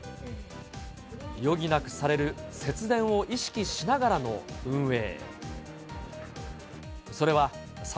余儀なくされる節電を意識しながらの運営。